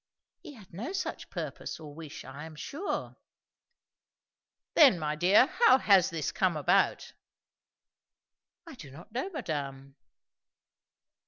"He had no such purpose, or wish, I am sure." "Then, my dear, how has this come about?" "I do not know, madame."